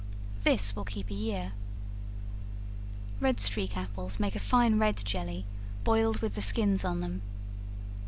This will keep a year. Red streak apples make a fine red jelly, boiled with the skins on them.